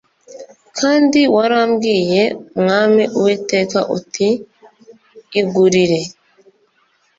kandi warambwiye mwami uwiteka uti igurire